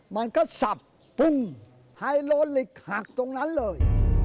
มันก็สับปุ้งไฮโลเหล็กหักตรงนั้นเลย